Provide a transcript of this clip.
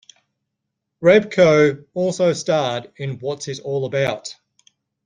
Riabko also starred in What's It All About?